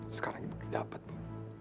sekarang ibu tidak apa apa